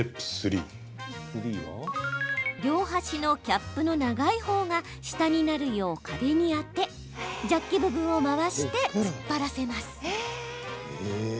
両端のキャップの長いほうが下になるよう壁に当てジャッキ部分を回して突っ張らせます。